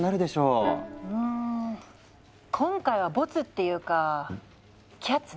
うん今回はボツっていうかキャッツね。